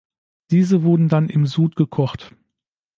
Diese wurden dann im Sud gekocht.